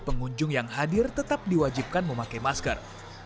pengunjung yang hadir tetap diwajibkan memakai masker